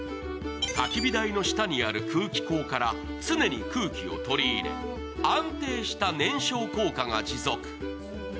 たき火台の下にある空気孔から常に空気を取り入れ安定した燃焼効果が持続。